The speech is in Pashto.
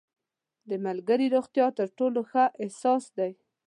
• د ملګري ملګرتیا تر ټولو ښه احساس دی.